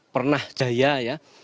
pernah jaya ya